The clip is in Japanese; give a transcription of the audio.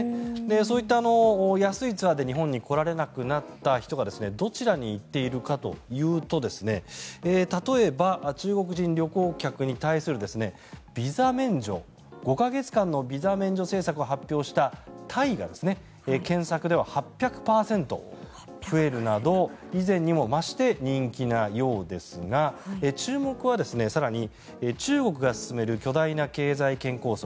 そういった安いツアーで日本に来られなくなった人がどちらに行っているかというと例えば、中国人旅行客に対するビザ免除５か月間のビザ免除政策を発表したタイが、検索では８００％増えるなど以前にも増して人気なようですが注目は更に中国が進める巨大な経済圏構想